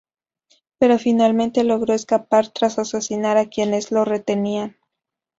Pero finalmente logró escapar tras asesinar a quienes lo retenían.